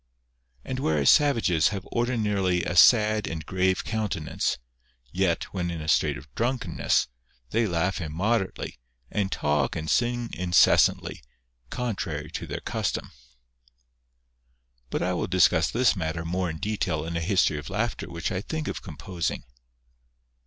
And whereas savages have ordinarily a sad and grave countenance, yet, when in a state of drunkenness, they laugh immo derately, and talk and sing incessantly, contrary to their custom. But I will discuss this matter more in detail in a history of laughter which I think of composing.